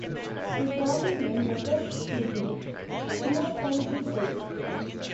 The common name refers to the Chinookan peoples.